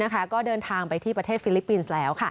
ก็เดินทางไปที่ประเทศฟิลิปปินส์แล้ว